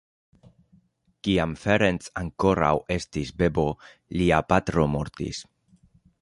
Kiam Ferenc ankoraŭ estis bebo, lia patro mortis.